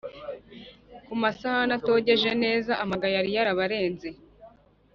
ku masahani atogeje neza, amaga yari yarabarenze,